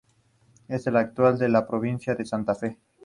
Es el actual de la Provincia de Santa Fe.